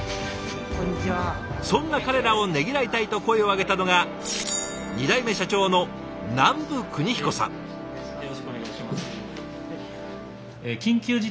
そんな彼らをねぎらいたいと声を上げたのが２代目社長の社長発案の「社員感謝デー」。